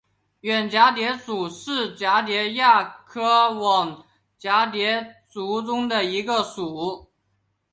远蛱蝶属是蛱蝶亚科网蛱蝶族中的一个属。